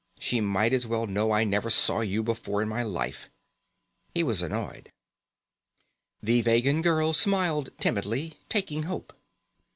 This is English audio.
She might as well know I never saw you before in my life." He was annoyed. The Vegan girl smiled timidly, taking hope.